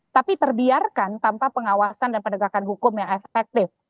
tapi terbiarkan tanpa pengawasan dan penegakan hukum yang efektif